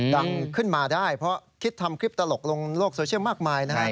ดังขึ้นมาได้เพราะคิดทำคลิปตลกลงโลกโซเชียลมากมายนะครับ